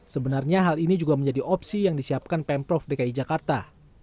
sebenarnya hal ini juga menjadi opsi yang disiapkan pemprov dki jakarta